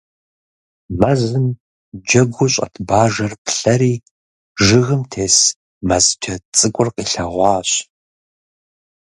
Мэзым джэгуу щӀэт Бажэр плъэри жыгым тес, Мэз джэд цӀыкӀур къилъэгъуащ.